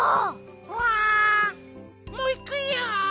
ホワもういくよ。